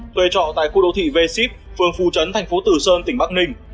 thuê trọ tại khu đô thị v sip phương phu trấn tp tử sơn tỉnh bắc ninh